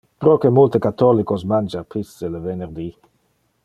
Proque multe catholicos mangia pisce le venerdi?